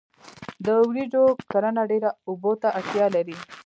د وریجو کرنه ډیرو اوبو ته اړتیا لري.